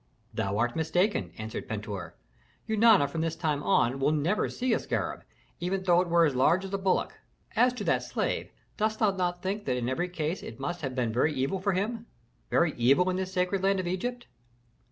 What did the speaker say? "Thou art mistaken," answered Pentuer. "Eunana from this time on will never see a scarab, even though it were as large as a bullock. As to that slave, dost thou not think that in every case it must have been very evil for him very evil in this sacred land of Egypt?"